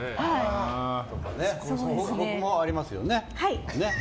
僕もありますよね。